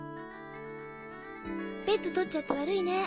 ベッド取っちゃって悪いね。